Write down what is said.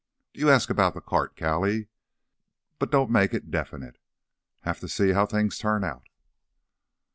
"You ask about the cart, Callie, but don't make it definite. Have to see how things turn out."